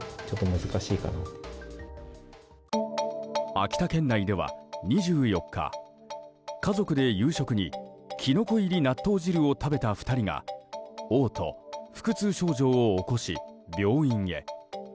秋田県内では２４日家族で夕食にキノコ入り納豆汁を食べた２人が嘔吐・腹痛症状を起こし病院へ。